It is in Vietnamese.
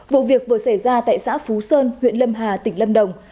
vụ việc vừa xảy ra tại xã phú sơn huyện lâm hà tỉnh lâm đồng